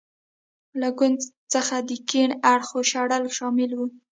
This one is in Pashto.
له ګوند څخه د کیڼ اړخو شړل شامل و.